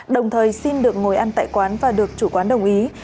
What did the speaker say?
đồng thời xin được ngồi ăn tại quán và được chủ quán đồng ý